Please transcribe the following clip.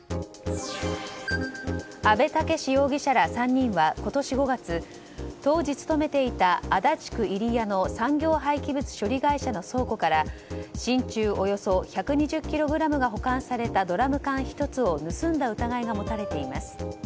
阿部武史容疑者ら３人は今年５月当時、勤めていた足立区入谷の産業廃棄物処理会社の倉庫から真鍮およそ１２０ｋｇが保管されたドラム缶１つを盗んだ疑いが持たれています。